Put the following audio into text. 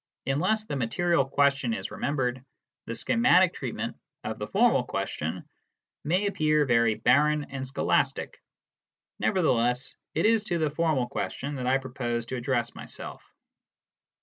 Unless the material question is remembered, the schematic treatment of the formal question may appear very barren and scholastic. Nevertheless, it is to the formal question that 1 propose to address myself.